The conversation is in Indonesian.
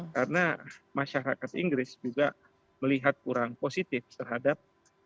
karena masyarakat inggris juga melihat kurang positif terhadap